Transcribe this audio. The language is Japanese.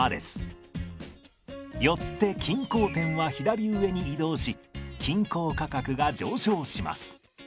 よって均衡点は左上に移動し均衡価格が上昇します。